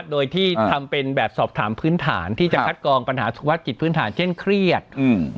โดยที่ทำเป็นแบบสอบถามพื้นฐานที่จะคัดกองปัญหาสุขภาพจิตพื้นฐานเช่นเครียดอืม